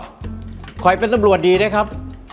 หว่าค่อยเป็นตำรวจดีนะครับ